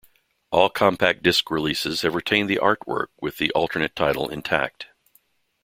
All compact disc releases have retained the artwork with the alternate title intact.